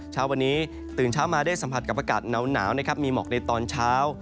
เช้าวันนี้ตื่นเช้ามาได้สัมผัสกับอากาศหนาวนะครับมีหมอกในตอนเช้า